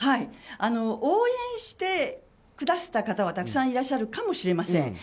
応援してくださった方はたくさんいらっしゃるかもしれません。